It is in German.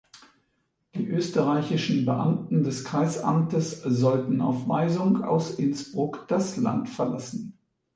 Die österreichischen Beamten des Kreisamtes sollten auf Weisung aus Innsbruck das Land verlassen.